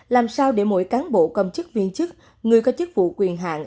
làm sao để mỗi cán bộ công chức viên chức người có chức vụ quyền hạn